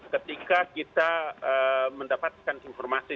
ketika kita mendapatkan informasi